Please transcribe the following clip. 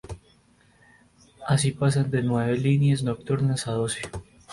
Así pasan de nueve líneas nocturnas a doce.